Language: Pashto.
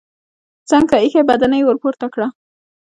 څنګ ته ايښی بدنۍ يې ورپورته کړه.